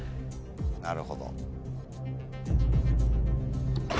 なるほど。